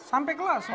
sampai kelas semua